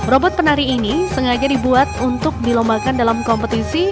robot penari ini sengaja dibuat untuk dilombakan dalam kompetisi